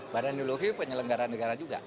badan ideologi penyelenggara negara juga